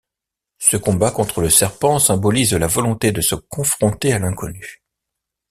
Ce combat contre le serpent symbolise la volonté de se confronter à l'inconnu.